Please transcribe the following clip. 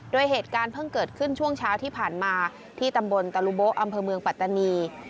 โดยเหตุการณ์เพิ่งเกิดขึ้นช่วงเช้าที่ผ่านมาที่ตำบลตะลุโบ๊ะอำเภอเมืองปัตตานี